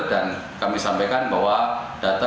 dan kami sampaikan bahwa data